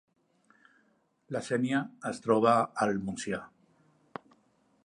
La Sénia es troba al Montsià